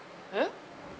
えっ？